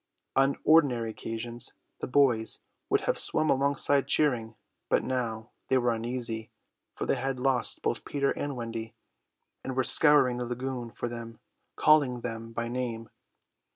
On ordinary occasions the boys would have swum alongside cheering; but now they were uneasy, for they had lost both Peter and Wendy, and were scouring the lagoon for them, calling them by name.